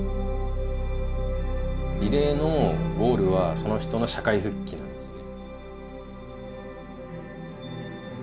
リレーのゴールはその人の社会復帰なんですよね。